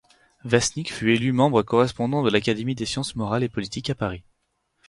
Vesnić fut élu membre correspondant de l’Académie des sciences morales et politiques à Paris.